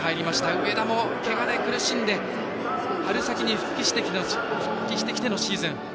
上田もけがで苦しんで春先に復帰してきてのシーズン。